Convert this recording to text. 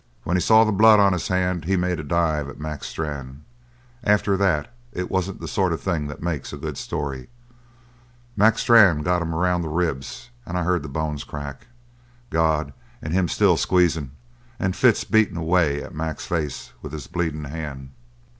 When he saw the blood on his hand he made a dive at Mac Strann. After that it wasn't the sort of thing that makes a good story. Mac Strann got him around the ribs and I heard the bones crack. God! And him still squeezin', and Fitz beatin' away at Mac's face with his bleedin' hand.